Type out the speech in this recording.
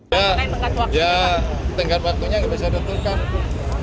ya tingkat waktunya bisa ditentukan